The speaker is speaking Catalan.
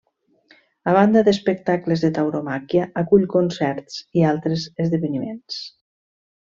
A banda d'espectacles de tauromàquia, acull concerts i altres esdeveniments.